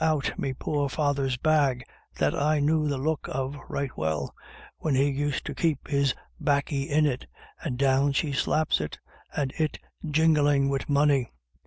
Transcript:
309 out me poor father's bag, that I knew the look of right well, when he used to keep his baccy in it, and down she slaps it, and it jinglin' wid money.